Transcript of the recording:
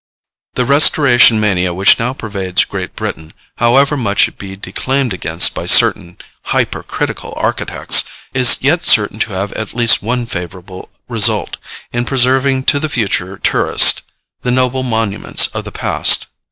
The 'restoration' mania which now pervades Great Britain, however much it be declaimed against by certain hypercritical architects, is yet certain to have at least one favorable result, in preserving to the future tourist the noblest monuments of the past.